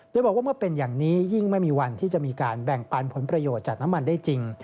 โดยบอกว่าเมื่อเป็นอย่างนี้ยิ่งไม่มีวันที่จะมีการแบ่งปันผลประโยชน์จากน้ำมันได้จริง